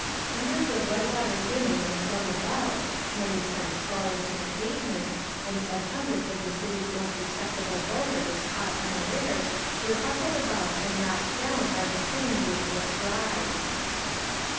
Hundreds of Whitewater's women were flung about, many sent sprawling to the pavement, and some hundreds of the city's most respectable voters, caught unawares, were hustled about and knocked down by the same ruthless drive.